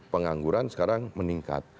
pengangguran sekarang meningkat